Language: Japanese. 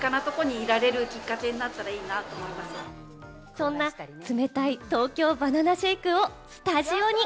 そんな冷たい東京ばな奈シェイクをスタジオに。